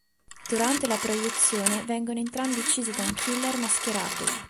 Durante la proiezione vengono entrambi uccisi da un killer mascherato.